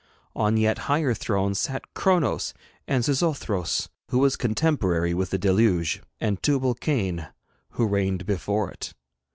On yet higher thrones sat Chronos and Xixouthros, who was contemporary with the deluge, and Tubal Cain, who reigned before it.